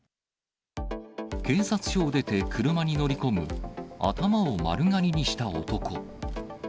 警察署を出て、車に乗り込む頭を丸刈りにした男。